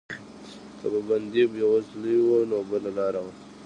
که به بندي بېوزلی و نو بله لاره وه.